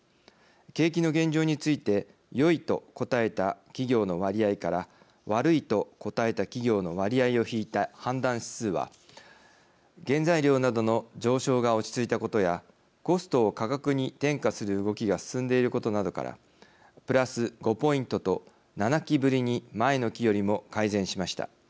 景気の現状について良いと答えた企業の割合から悪いと答えた企業の割合を引いた判断指数は原材料などの上昇が落ち着いたことやコストを価格に転嫁する動きが進んでいることなどからプラス５ポイントと７期ぶりに前の期よりも改善しました。